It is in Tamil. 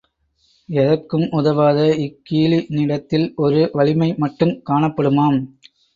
எதற்கும் உதவாத இக்கீழினிடத்தில் ஒரு வலிமை மட்டுங் காணப்படுமாம்.